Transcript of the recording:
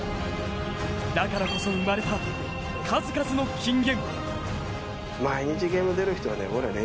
だからこそ生まれた、数々の金言。